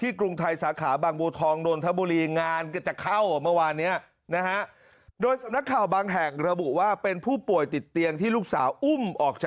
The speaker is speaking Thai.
กรุงไทยสาขาบางบูทองนนทบุรีงานก็จะเข้าเมื่อวานนี้นะฮะ